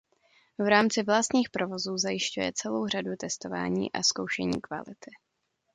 V rámci vlastních provozů zajišťuje celou řadu testování a zkoušení kvality.